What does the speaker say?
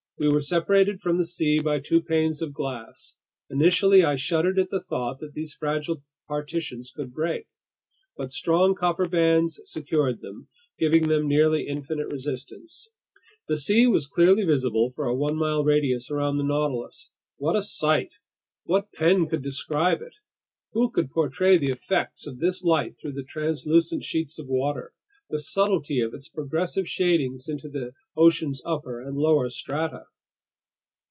We were separated from the sea by two panes of glass. Initially I shuddered at the thought that these fragile partitions could break; but strong copper bands secured them, giving them nearly infinite resistance. The sea was clearly visible for a one mile radius around the Nautilus. What a sight! What pen could describe it? Who could portray the effects of this light through these translucent sheets of water, the subtlety of its progressive shadings into the ocean's upper and lower strata?